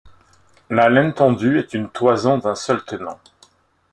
La laine tondue est une toison d'un seul tenant.